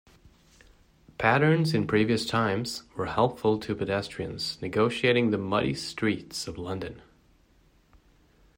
Pattens in previous times were helpful to pedestrians negotiating the muddy streets of London.